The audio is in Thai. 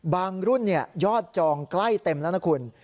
รุ่นยอดจองใกล้เต็มแล้วนะคุณ